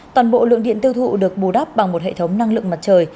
toàn bộ lượng điện tiêu thụ được bù đắp bằng một hệ thống năng lượng mặt trời